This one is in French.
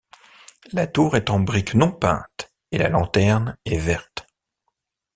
La tour est en brique non peinte et la lanterne est verte.